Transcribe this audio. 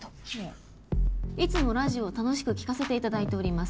「いつもラジオを楽しく聴かせて頂いております」